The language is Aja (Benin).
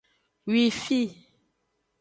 Wifi.